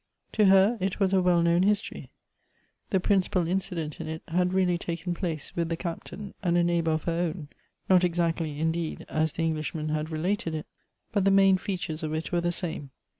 To her it was a well known history. The principal inci dent in it had really taken place with tlie Captain and a neighbor of her own ; not exactly, indeed, as the English man had related it. But the main features of it were the same.